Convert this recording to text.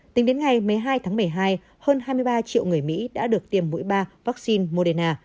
tính đến ngày một mươi hai tháng một mươi hai hơn hai mươi ba triệu người mỹ đã được tiêm mũi ba vaccine moderna